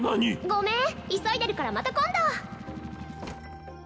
ごめん急いでるからまた今度